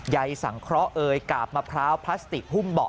ยังสังเคราะห์เอ่ยกาบมะพร้าวพลาสติกหุ้มเบาะ